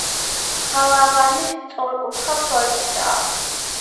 გალავანი სწორკუთხა ფორმისაა.